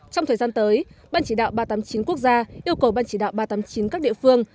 trong thời gian tới ban chỉ đạo ba trăm tám mươi chín quốc gia yêu cầu ban chỉ đạo ba trăm tám mươi chín các địa phương